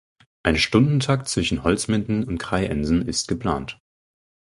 Ein Stundentakt zwischen Holzminden und Kreiensen ist geplant.